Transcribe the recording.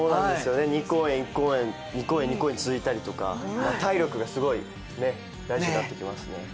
２公演、１公演２公演、２公演続いたりとか体力がすごい大事になってきますね。